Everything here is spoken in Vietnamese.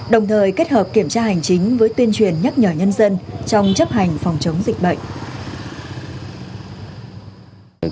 đồng thời kết hợp kiểm tra hành chính với tuyên truyền nhắc nhở nhân dân trong chấp hành phòng chống dịch bệnh